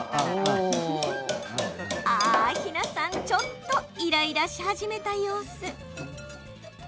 緋奈さん、ちょっとイライラし始めた様子。